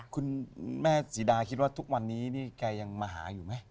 คุณแม่ศรีดาคิดว่าทุกวันนี้นี่แกยังมาหาอยู่ไหม